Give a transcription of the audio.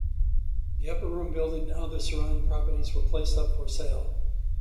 The Upper Room building and other surrounding properties were placed up for sale.